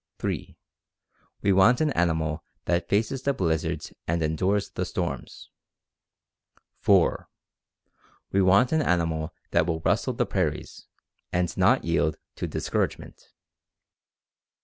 "(3) We want an animal that faces the blizzards and endures the storms. "(4) We want an animal that will rustle the prairies, and not yield to discouragement.